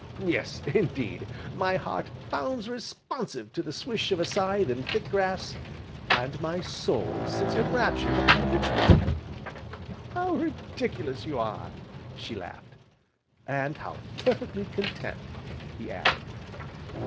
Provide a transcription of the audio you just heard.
Yes indeed, my heart bounds responsive to the swish of a scythe in thick grass, and my soul sits enraptured upon a pitch fork." "How ridiculous you are!" she laughed. "And how perfectly content!" he added.